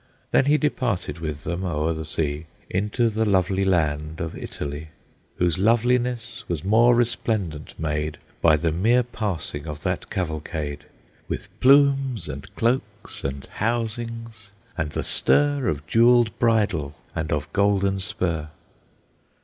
Then he departed with them o'er the sea Into the lovely land of Italy, Whose loveliness was more resplendent made By the mere passing of that cavalcade, With plumes, and cloaks, and housings, and the stir Of jewelled bridle and of golden spur.